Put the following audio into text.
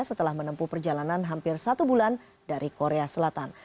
setelah menempuh perjalanan hampir satu bulan dari korea selatan